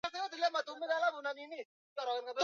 kunaye mwanamwaya ambaye yuko katika nafasi ya tatu